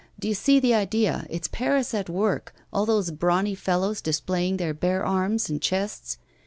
Do you see the idea it's Paris at work all those brawny fellows displaying their bare arms and chests?